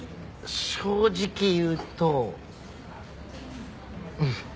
正直言うとうん。